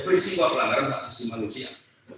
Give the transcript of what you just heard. peristiwa pelanggaran aksesi manusia